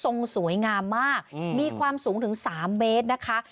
สวยงามมากมีความสูงถึง๓เมตรนะคะ